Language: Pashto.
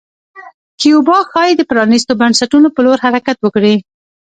کیوبا ښايي د پرانیستو بنسټونو په لور حرکت وکړي.